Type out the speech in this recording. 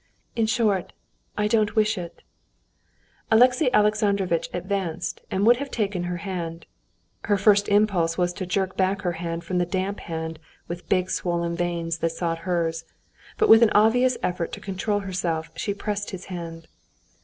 "In short, I don't wish it...." Alexey Alexandrovitch advanced and would have taken her hand. Her first impulse was to jerk back her hand from the damp hand with big swollen veins that sought hers, but with an obvious effort to control herself she pressed his hand.